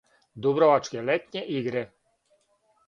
Дубровачке летње игре.